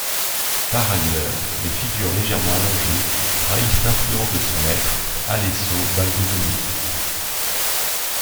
Par ailleurs, les figures légèrement allongées trahissent l'influence de son maître, Alesso Baldovinetti.